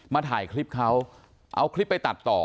ถ่ายคลิปเขาเอาคลิปไปตัดต่อ